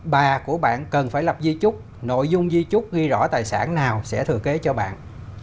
bà của bạn cần phải lập di chúc nội dung di chúc ghi rõ tài sản nào sẽ thừa kế cho bạn